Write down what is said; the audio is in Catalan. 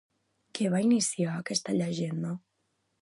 Què va iniciar aquesta llegenda?